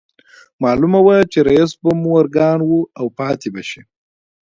معلومه وه چې رييس به مورګان و او پاتې به شي